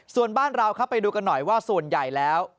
ส่วนบ้านเราครับไปดูกันหน่อยว่าส่วนใหญ่แล้ว